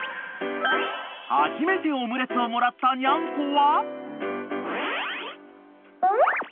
［初めてオムレツをもらったニャンコは］